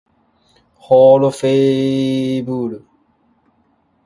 オルフェーヴル